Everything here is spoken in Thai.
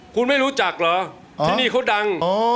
คุณไม่รู้จักเหรอที่นี่เขาดัง